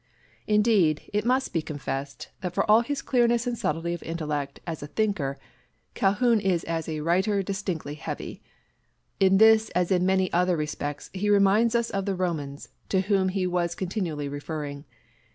Indeed, it must be confessed that for all his clearness and subtlety of intellect as a thinker, Calhoun is as a writer distinctly heavy. In this as in many other respects he reminds us of the Romans, to whom he was continually referring.